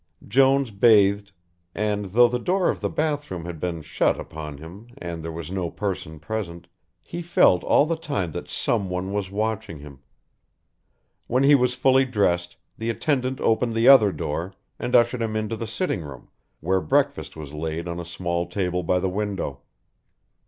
Jones bathed, and though the door of the bath room had been shut upon him and there was no person present, he felt all the time that someone was watching him. When he was fully dressed, the attendant opened the other door, and ushered him into the sitting room, where breakfast was laid on a small table by the window.